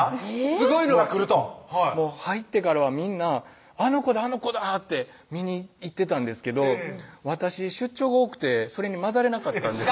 「すごいのが来る」と入ってからはみんな「あの子だあの子だ」って見に行ってたんですけど私出張が多くてそれに混ざれなかったんです